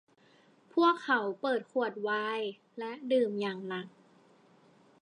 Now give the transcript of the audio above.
พวกเขาเปิดขวดไวน์และดื่มอย่างหนัก